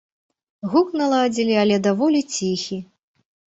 Гук наладзілі, але даволі ціхі.